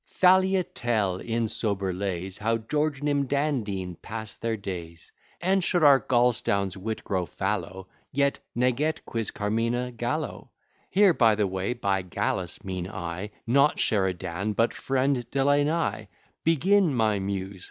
Thalia, tell, in sober lays, How George, Nim, Dan, Dean, pass their days; And, should our Gaulstown's wit grow fallow, Yet Neget quis carmina Gallo? Here (by the way) by Gallus mean I Not Sheridan, but friend Delany. Begin, my Muse!